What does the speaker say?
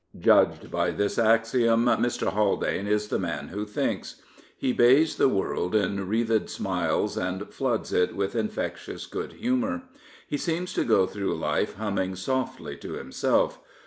Judged by this axiom, Mr. Haldane is the man who thinks. He bathes the world in wreathed smiles and floods it with infectious good humour. He seems to go through life humming softly to himself.